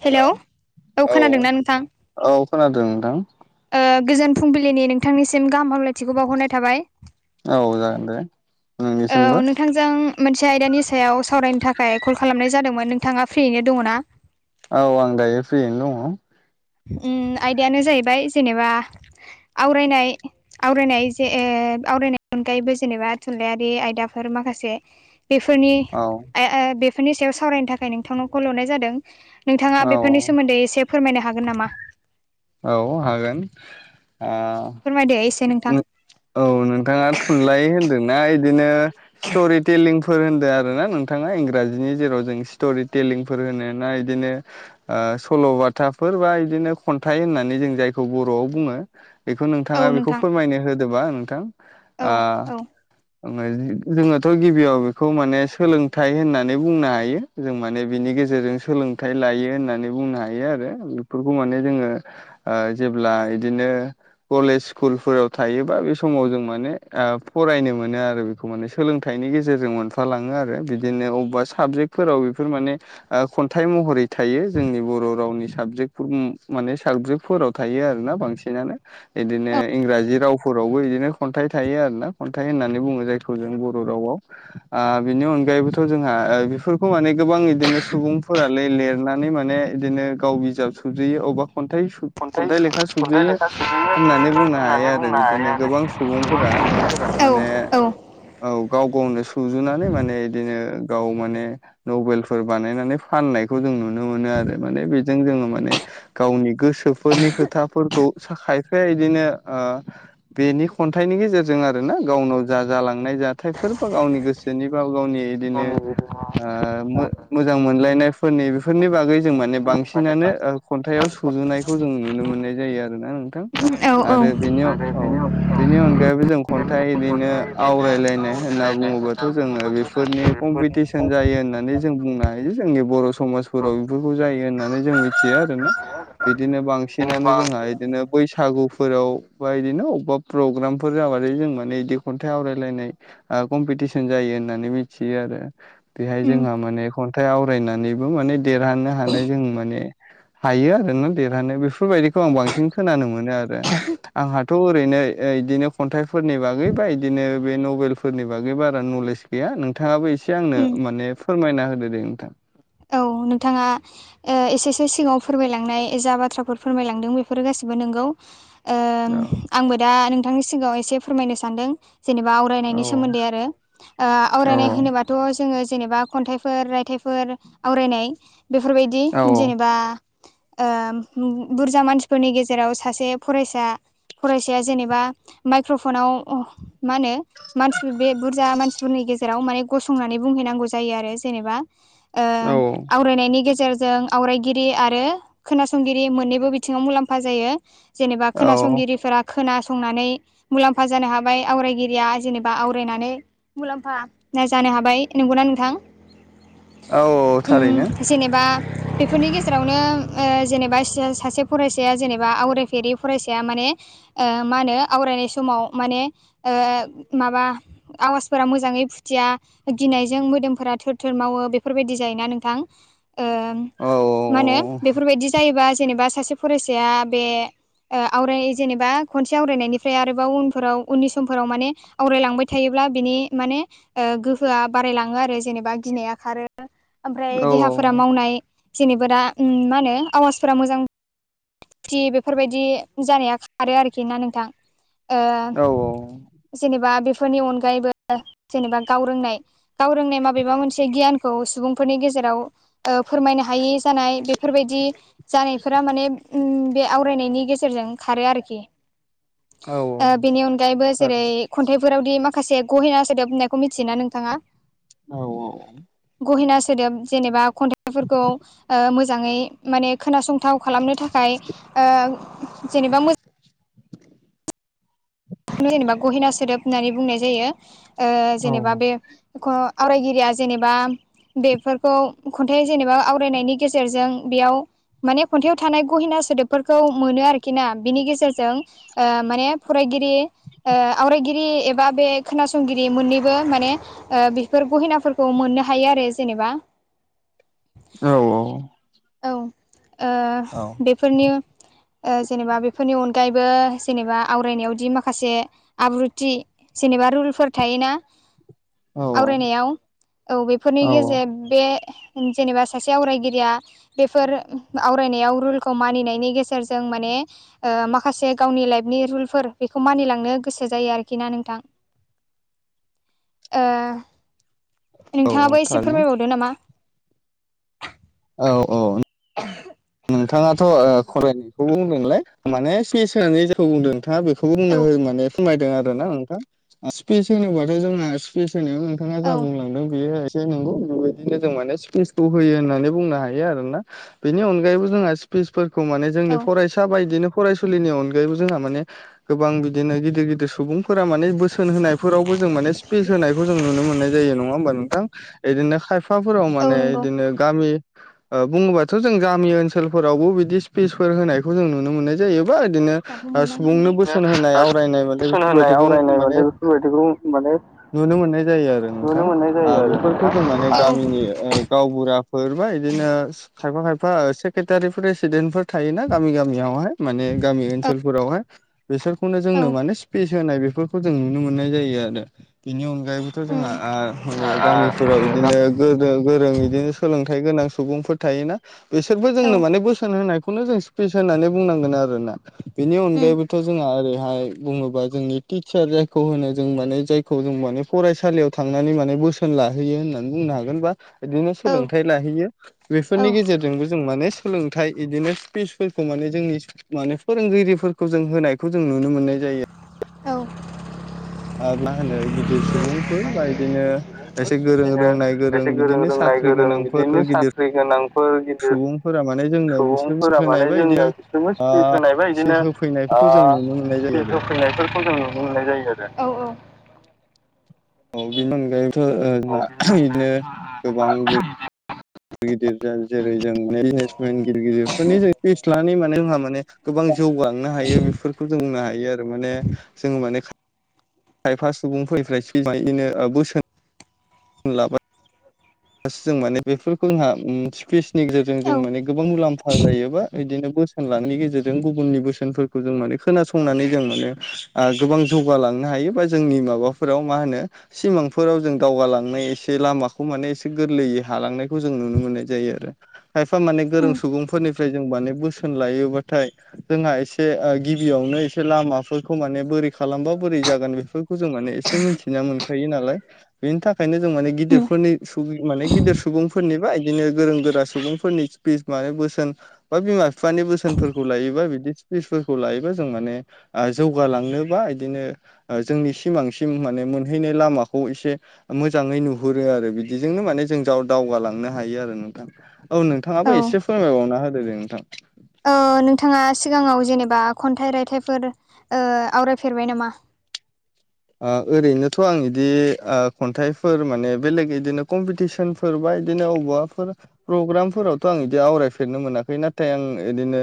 Hello औ खोनादोंना नोंथां औ खोनादों नोंथां गोजोन फुंबिलिनि नोंथांनिसिम गाहाम हामलायथिखौ बावहरनाय थाबाय औ जागोन दे औ नोंनिसिमबो नोंथां जों मोनसे आयदानि सायाव सावरायनो थाखाय कल खालामनाय जादोंमोन नोंथाङा फ्रियैनो दङना औ आं दायो फ्रियैनो दङ ओम आयदायानो जाहैबाय जेनेबा आवरायनाय आवरायनाय जे आवरायनायनि अनगायैबो जेनेबा थुनलायारि आयदाफोर माखासे बेफोरनि औ बेफोरनि सायाव सावरायनो थाखाय नोंथांनाव कल हरनाय जादों नोंथाङा औ बेफोरनि सोमोन्दै एसे फोरमायनो हागोन नामा औ हागोन आ फोरमायदो एसे नोंथां औ नोंथाङा थुनलाइ होनदोंना इदिनो स्ट'रि टेलिंफोर होन्दों आर ना नोंथाङा इंराजिनि जेराव जों स्टरि टेलिं फोर होनोना इदिनो ओ सलबाथाफोर बा खन्थाइ फोर खनथाय होननानै जों जायखौ बर'आव बुङो बेखौ नोंथाङा औ बेखौ नोंथां फोरमायनो होदोबा नोंथां औ आ औ जोङोथ' गिबियाव बेखौ माने सोलोंथाइ होननानै बुंनो हायो जों माने बिनि गेजेरजों सोलोंथाइ लायो होननानै बुंनो हायो आरो बेफोरखौ माने जोङो ओ जेब्ला इदिनो कलेज स्कुलफोराव थायोबा बे समाव जों माने फरायनो मोनो आरो बे खौ माने सोलोंथाइनि गेजेरजों मोनफालाङो आरो बिदिनो अबेबा साबजेक्टफोराव बेफोर माने खन्थाइ महरै थायो जोंनि बर' रावनि साबजेक्टफोर माने साबजेक्टफोराव थायो आरोना बांसिनानो बिदिनो इंराजि रावफोरावबो बिदिनो खन्थाइ थायो आरो ना खन्थाइ होननानै बुङो जायखौ जों बर' रावाव बिनि अनगायैबोथ' जोंहा बेफोरखौ माने गोबां बिदिनो सुबुंफोरालाय लिरनानै माने इदिनो गाव बिजाब सुजुयो अबेबा खन्थाइ खन्थाइ लेखा सुजुयो लेखा सोयो होननानै बुंनो हायो आरो बुंनो हायो बिदिनो गोबां सुबुंफोरा आरो औ माने औ औ गाव गावनो सुजुनानै माने बिदिनो गाव माने नभेलफोर बानायनानै फाननायखौ जों नुनो मोनो आरो माने बेजों जोङो माने गावनि गोसोफोरनि खोथाफोरखौ खायफाया बिदिनो बेनि खन्थाइनि गेजेरजों आरो ना गावनाव जा जालांनाय जाथायफोर बा गावनि गोसो गोसोनिबा गावनि इदिनो ओ मोजां मोनलायनायफोरनि बेफोरनि बागै जों माने माने बांसिनानो खन्थाइाव सुजुनायखौ जों नुनो मोननाय बांसिनानो जायो आरोना नोंथां औ औ आरो बेनि आरो औ बेनि बेनि अनगायैबो बेाहायबो जों खन्थाइ बिदिनो खन्थाइ बिदिनो आवरायलायनाय होनना आवग्रिलायनाय होनना बुङोबाथ' जोङो बुङोबाथ' जों बेफोरनि कम्पिटिसन जायो कम्पिटिसन होननानै जों बुंनो हायो जोंनि बर' समाजफोराव बेफोरखौ बिदिनो जायो होननानै जों मिथियो आरोना बिदिनो बांसिनानो जोंहा बांसिनानो बिदिनो बैसागुफोराव बा बिदिनो अबबा प्रग्रामफोर जाबाथाय जों माने इदि खन्थाइ आवरायलायनाय आ कम्पिटिसन जायो होननानै मिथियो आरो बेहाय उम जोंहा माने खन्थाइ आवरायनानैबो माने देरहानो हानाय जों माने हायो आरोना देरहानो बेफोरबायदिखौ आं बांसिन खोनानो मोनो आरो आंहाथ' ओरैनो इदिनो खन्थाइफोरनि बागै बा इदिनो बे नभेलफोरनि बागै बारा नलेज गैया नोंथाङाबो एसे आंनो उम माने फोरमायना होदो दे नोंथां औ नोंथाङा ओ एसे एससे सिगाङाव फोरमायलांनाय जा बाथ्राफोर फोरमायलांदों बेफोरो गासिबो नोंगौ ओ औ आंबो दा नोंथांनि सिगाङाव एसे फोरमायनो सानदों। जेनेबा औ आवरायनायनि सोमोन्दै आरो औ आवरायनाय होनोबाथ' जोङो जेनेबा खन्थाइ फोर रायथाइफोर आवरायनाय बेफोरबायदि औ जेनेबा ओ बुरजा मानसिफोरनि गेजेराव सासे फरायसा फरायसाया जेनेबा माइक्रफनाव ओ मा होनो ओ मानसिफोर बे बुरजा मानसिफोरनि गेजेराव माने गसंनानै बुंहैनांगौ जायो आरो जेनेबा ओ‌ औ आवरायनायनि गेजेरजों आवरायगिरि आरो खोनासंगिरि मोननैबो बिथिङाव मुलाम्फा जायो। ओ जेनेबा औ खोनासंगिरिफोरा खोनासंनानै मुलाम्फा जानो हाबाय आवरायगिरिया जेनेबा आवरायनानै। मुलाम्फा जानो हाबाय नंगौना नोंथां। औ औ थारैनो। ओ जेनेबा बेफोरनि गेजेरावनो जेनेबा सासे फरायसाया जेनेबा आवरायफेरि फरायसाया माने मा होनो आवरायनाय समाव माने ओ माबा आवाजफोरा मोजाङै फुथिया गिनायजों मोदोमफोरा थोर थोर मावो बेफोर ओ बादि जायोबा नोंथां औ मा होन बेफोरबायदि जायोबा जेनेबा सासे फरायसाया बे आवरायनाय जेनेबा खनसे आवरायनायनिफ्राय आरोबाव उनफोराव उननि समफोराव माने आवरायलांबाय थायोब्ला बिनि माने गोहोआ बारायलाङो आरो जेनेबा गिनाया खारो। ओमफ्राय औ देहाफोरा मावनाय जेनेबा मा होनो आवाजफोरा मोजां खथि बेफोरबायदि जानाया खारो आरोखि ना नोंथां ओ औ जेनेबा बेफोरनि अनगायैबो जेनेबा गाव रोंनाय गाव रोंनाय माबेबा मोनसे गियानखौ खौ सुबुंफोरनि गेजेराव फोरमायनो हायि जानाय बेफोरबायदि ओ जानायफोरा माने ओम बे आवरायनायनि गेजेरजों खारो आरोखि औ ओ बेनि अनगायैबो थार जेरै ओ खन्थाइफोरावदि माखासे गहेना सोदोब होननायखौ मिथियोना नोंथाङा? औ गहिना सोदोब जेनेबा खन्थाइफोरखौ मोजाङै माने खोनासं गोथाव खालामनो थाखाय जेनेबा मोजां बेखौननो जेनेबा गहेना सोदोब होननानै बुंनाय जायो ओ औ जेनेबा बे एन आवरायगिरिया जेनेबा। ओ बेफोरखौ खन्थाइ जेनेबा आवरायनायनि गेजेरजों बेयाव माने खन्थाइाव थानाय गहेना सोदोबफोरखौ मोनो आरोखि ना बिनि गेजेरजों। माने फरायगिरि आवरायगिरि एबा बे खोनासंगिरि मोननैबो माने बेफोर गहेनाफोरखौ मोननो हायो आरो जेनेबा। औ औ। औ बेफोरनि जेनेबा बेफोरनि अनगायैबो जेनेबा ओ आवरायनायावदि माखासे आब्रुथि जेनेबा रुलफोर थायोना। औ आवरायनायाव औ बेफोरनि औ गेजेर बे जेनेबा सासे आवरायगिरिया बेफोर आवरायनायाव रुलखौ मानिनायनि गेजेरजों माने माखासे गावनि लाइफनि रुलफोर बेखौ मानिलांनो गोसो जायो आरोखि ना नोंथां। औ औ नोंथाङाबो एसे थारैनो फोरमायबावदो नामा? औ ओ [inaudible] नोंथाङाथ' ओ फरायनायखौबो बुंदोंलाय माने सस होनानै जायखौ बुंदों नोंथाङा बे खौ औ बुंनो हो माने फोरमायदों आरो ना नोंथां स्पिस होनोब्लाथाय जोंना जेखिनिखौ नोंथाङा औ जा बुंलांदों बेयो नगौ बेबायदिनो जों माने स्पेसखौ होयो होननानै बुंनो हायो आरो ना बेनि अनगायैबो जोंहा फिसफोरखौ माने औ जोंनि फरायसा बायनो फरायसुलिनि ‌अनगायैबो जोंहा गोबां गिदिर गिदिर सुबुंफोरा माने बोसोन होनायफोरावबो जों माने स्पेस होनायखौ जों नुनो मोननाय जायो नङा होमबा नोंथां? बिदिनो खायफाफोराव औ माने नंगौ बिदिनो गामि ओ बुङोबाथ' जों गामि ओनसोल हटेलफोरावबो बिदि स्पिसफोर होनायखौ जों नुनो मोननाय जायोबा बिदिनो माबा सुबुंनो मोननांगौलै बोसोन होनाय आवरायनाय माने बेफोरबायदिखौ माने बेफोर बादिखौ माने नुनो मोननाय जायो आरो नोंथां नुनो मोननाय जायो आरो बेफोरखौ नोंथां जों माने औ गामिनि गावबुराफोर बा बिदिनो खायफा खायफा ओ एसे सेक्रेटारिफोर पेसिडेन्टफोर थायोना गामि गामियावहाय माने गामि ओनसोलफोरावहाय। बेसोरखौनो जोंनो औ माने स्पिस होनाय बेफोरखौ जों नुनो मोननाय जायो आरो। बेनि अनगायैबोथ' जोंहा उम ओ माने औ गामिफोराव बिदिनो गों गोरों बिदिनो सोलोंथाइ गोनां सुबुंफोर थायोना बे बिसोरबो जोंनो माने बोसोन होनायखौनो जों स्पिस होननानै बुंनांगोन आरोना बेनि उम अनगायैबो थ' जोंहा ओरैहाय बुङोबा जोंनि टिचार जायखौ होनो जों माने जायखौ जों माने फरायसालियाव थांनानै माने बोसोन लाहोयो होननानै बुंनो हागोन बा बिदिनो सोलोंथाइ लाहैयो औ बेफोरनि गेजेरजोंबो जों माने सोलोंथाइ बिदिनो स्पिसफोरखौ माने जोंनि माने फोरोंगिरिफोरखौ जों होनायखौ जों नुनो मोननाय जायो।। औ ओ मा होनो गिदिर सुबुंफोर बा इदिनो एसे गोरों रोंनाय खायसे गोरों बिदिनो रोंनाय साख्रि गोरों गोनांफोर बिदिनो गिदिर साख्रि गोनांफोर गिदिर सुबुंफोरा माने जोंनो सुबुं बिसोर फोर होनाय माने बा इदिनो जोंनो खिसु ओ [unintelligible] होनायबाय सिट बिदिनो होफैनायफोरखौ जों नुनो मोननाय जायो सिफिस आरो होफैनायफोरखौ जों नाय जायो आरो औ औ औ बिनि अनगायैथ' औ जोंहा बेनि बिदिनो अनगायैबोथ' गोबां जोंहा गिदिर जेरै जों बिजनेसमेन गिदिर गिदिरफोरनि [unintelligible] खाख्लानानै माने जोंहा माने गोबां जौगांनो हायो बेफोरखौ जों बुंनो हायो आरो माने जोंङो माने खायफा सुबुंफोरनिफ्राय फनानैनो ओ बोसोन लाबाय जों माने बेफोरखौ जोंहा स्पेसनि गेजेरजों जों औ माने गोबां मुलाम्फा जायोबा बिदिनो बोस लानायनि गेजेरजों गुबुननि बोसोनफोरखौ जों मान खोनासंनानै जों माने ओ गोबां जौगालांनो हायो बा जोंनि माबाफोराव मा होनो सिमांफोराव जों दावगालांनाय एसे लामाखौ माने गोरलैयै हालांनायखौ जों नुनो मोननाय जायो आरो खायफा मान गोरों उम सुबुंफोरनि ओमफ्राय जों माने बोसोन लायोबाथाय जोंहा एसे गिबियावनो एसे लामाफोरखौ माने बोरै खालामबा बोरै जागोन बेफोर खौ जों माने एसे मिथिना मोनखायो नालाय बेनि थाखायनो जों माने गिदिरफोरनि माने गिदिर सुबुंफोरनिबा बिदिनो गोरों गोरा सुबुंफोरनि माने बोसोन बा बिमा बिफानि बोसोनफोरखौ लायोबा बिदि फिसफोरखौ लायोबा जों माने ओ जौगालांनोबा बिदिनो जोंनि सिमांसिम माने मोनहैनाय लामाखौ एसे मोजाङै नुहुरो आरो बि बेजोंनो माने जों दावगालांनो हायो आरो नोंथां औ नों नोंथाङाबो उम औ एसे फोरमायबावना होदो जे नोंथां। नोंथाङा सिगाङाव जेनेबा खन्थाइ रायथाइफोर ओ आवरायफेरबाय नामा? आ ओरैनोथ' आं बिदि खन्थाइफोर माने बेलेग बिदिनो कमपिटिसन सोरबा बिदिनो बबेावबाफोर प्रग्रामफोरावथ' आं बिदि आवरायफेरनो मोनाखै नाथाय आं बिदिनो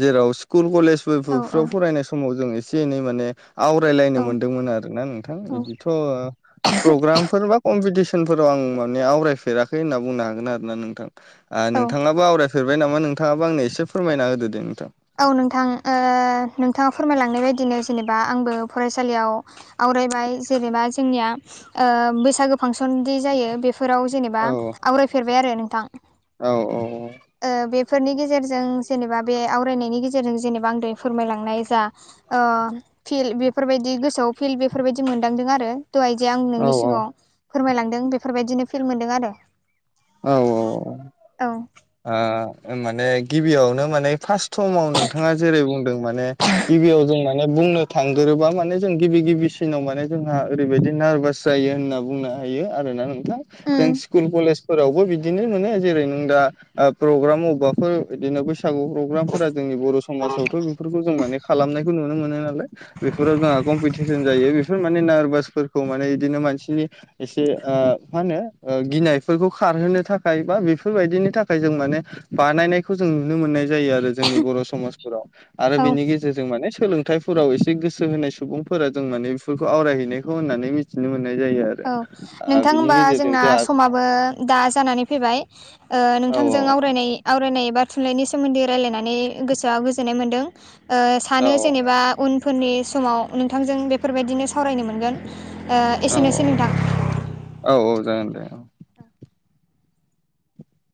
जेराव स्कुल कलेज औ औ स्कुलफ्राव फरायनाय समाव जों एसे एनै माने आवरायलायनो औ मोनदोंमोन आरो। आरोना नोंथां औ बिदिथ' प्रग्रामफोर बा कम्पिटिसनफोराव आं माने आवरायफेराखै होनना बुंनो हागोन आरोना नोंथां औ नोंथाङाबो आवरायफेरबाय नामा नोंथाङाबो आंनो एसे फोरमायना होदो दे नोंथां औ नोंथां नोंथाङा फोरमायलांनाय बायदिनो जेनेबा आंबो फरायसालियाव आवरायबाय जेनेबा जोंनिया बैसागो फांसनदि जायो बेफ फोराव जेनेबा आवरायफेरबाय आरो नोंथां औ-औ बेफोरनि गेजेरजों जेनेबा बे आवरायनायनि गेजेरजों जेनेबा आं दहाय फोरमायलांनाय जा फिल्श बेफोरबायदि गोसोआव फिल्ड बेफोरबायदि मोनदांदों आरो दहाय जे आं औ नोंनि सिगाङाव फोरमायलांदों बेफोरबायदिनो फिल मोनदों आरो औ-औ औ माने गिबियावनो माने फार्स्ट समाव नोंथाङा जेरै बुंदों माने गिबियाव जों माने बुंनो थांगोरोबा माने जों गिबि गिबिसिनाव माने जोंहा ओरैबायदि नारभास जायो होनना बुंनो हायो आरोना नोंथां जों उम स्कुल कलेज फोरावबो बिदिनो नुयो जेरै नों दा प्रग्राम अबेबाफोर बिदिनो बैस सागु प्रग्रामफोरा जोंनि बर' समाजावथ' बेफोरखौ जों माने खालामनायखौ नुनो मोनो नालाय बेफोराव जोंहा कम्पिटिसन जायो बेफोर माने नारभासफोरखौ माने बिदिनो मानसिनि एसे मा होनो गिनाय फोरखौ खारहोनो थाखाय बा बेफोरबायदिनि थाखाय जों माने बानायनायखौ जों नुनो मोननाय जायो आरो जोंनि बर' समाजफोराव आरो औ बेनि गेजे जेरजों माने सोलोंथाइफोराव एसे गोसो होनाय सुबुंफोरा जों माने बेफोरखौ आवरायहैनायखौ होननानै मिथ थिनो मोननाय जायो आरो औ ओ नोंथां बिनि होनबा गेजेरजों जोंना जोंहा समाबो दा जानानै फैबाय औ औ नोंथांजों आरायनाय आवरायनाय बा थुनलाइनि सोमोन्दै रायलायनानै गोसोआ गोजोननाय मोन्दों औ सानो जेनेबा उनफोरनि समाव नोंथांजों बेफोरबायदिनो सावरायनो मोनगोन ओ एसेनोसै नोंथां औ-औ-औ-औ जागोन दे औ